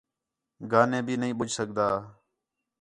گا نے بھی نہیں ٻُجھ سڳدا